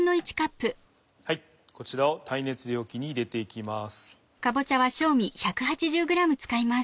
こちらを耐熱容器に入れていきます。